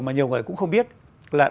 mà nhiều người cũng không biết là